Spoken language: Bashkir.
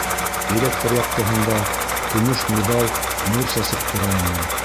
Электр яҡтыһында көмөш миҙал нур сәсеп тора ине.